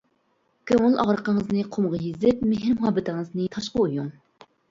كۆڭۈل ئاغرىقىڭىزنى قۇمغا يېزىپ، مېھىر-مۇھەببىتىڭىزنى تاشقا ئويۇڭ!